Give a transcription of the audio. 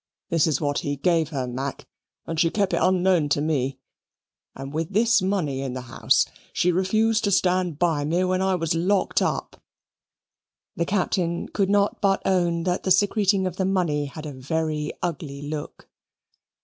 "This is what he gave her, Mac, and she kep it unknown to me; and with this money in the house, she refused to stand by me when I was locked up." The Captain could not but own that the secreting of the money had a very ugly look.